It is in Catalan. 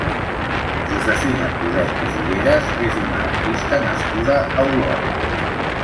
Josefina Coderch i Figueras és una artista nascuda a Olot.